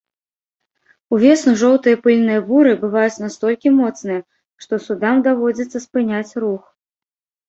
Увесну жоўтыя пыльныя буры бываюць настолькі моцныя, што судам даводзіцца спыняць рух.